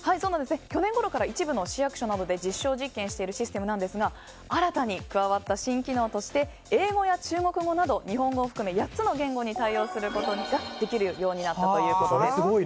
去年ごろから一部の市役所などで実証実験しているシステムなんですが新たに加わった新機能として英語や中国語など日本語を含め８つの言語に対応することができるようになったということです。